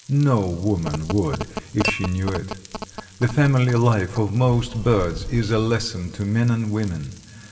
No woman would if she knew it. The family life of most birds is a lesson to men and women.